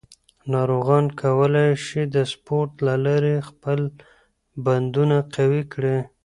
ناروغان کولی شي د سپورت له لارې خپل بندونه قوي کړي.